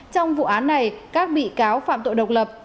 trong vụ án này các bị cáo phạm tội độc lập